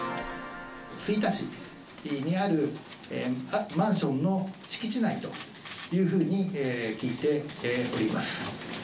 吹田市にあるマンションの敷地内というふうに聞いております。